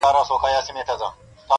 • خو چي وګورم څلور پښې مي نازکي -